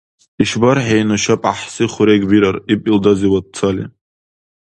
— ИшбархӀи нушаб гӀяхӀси хурег бирар! — иб илдазивад цали.